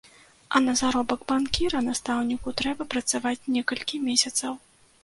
А на заробак банкіра настаўніку трэба працаваць некалькі месяцаў.